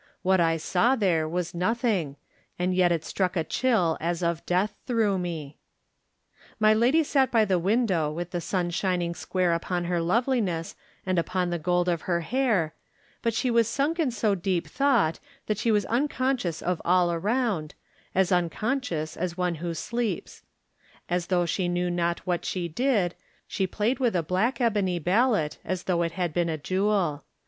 What I saw there was nothing, and yet it struck a chill as of death through me My lady sat by the window with the sun shining square upon her loveliness and upon the gold of her hair; but she was sunk in so deep thought that she was unconscious of all around, as unconscious as one who sleeps. As though she knew not what she did, she played with a black ebony ballot as though it had been a jewel.